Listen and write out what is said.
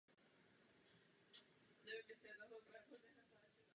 Renault v této sezóně také nově dodává motory týmu Red Bull.